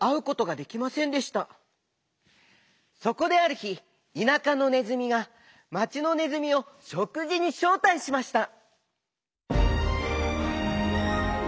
そこであるひ田舎のねずみが町のねずみをしょくじにしょうたいしました。